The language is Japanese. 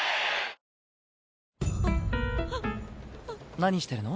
何してるの？